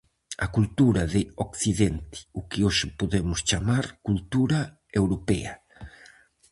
A cultura de occidente, o que hoxe podemos chamar cultura europea.